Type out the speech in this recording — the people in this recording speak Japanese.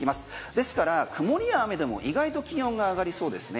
ですから曇りや雨でも意外と気温が上がりそうですね。